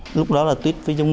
lúc đó là tuyết với dung